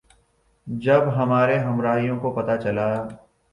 جب ہمارے ہمراہیوں کو پتہ چلا